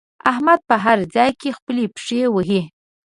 احمد په هر ځای کې خپلې پښې وهي.